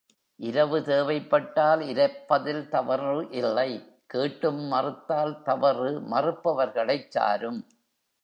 இரவு தேவைப்பட்டால் இரப்பதில் தவறு இல்லை, கேட்டும் மறுத்தால் தவறு மறுப்பவர்களைச் சாரும்.